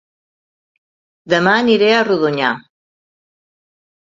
Dema aniré a Rodonyà